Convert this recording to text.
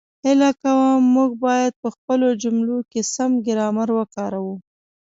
هیله کووم، موږ باید په خپلو جملو کې سم ګرامر وکاروو